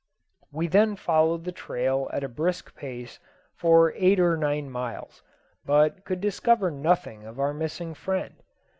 We then followed the trail at a brisk pace for eight or nine miles, but could discover nothing of our missing friend.